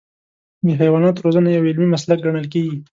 د حیواناتو روزنه یو علمي مسلک ګڼل کېږي.